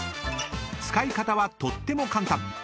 ［使い方はとっても簡単］